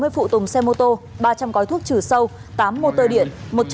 một trăm sáu mươi phụ tùng xe mô tô ba trăm linh gói thuốc trừ sâu tám mô tơ điện